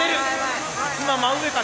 今真上か？